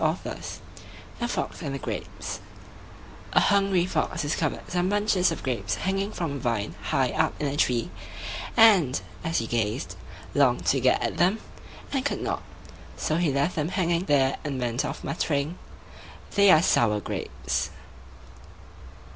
THE FOX AND THE GRAPES A hungry fox discovered some bunches of grapes hanging from a vine high up a tree, and, as he gazed, longed to get at them, and could not; so he left them hanging there and went off muttering, "They're sour grapes."